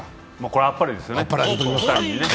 これはあっぱれですね。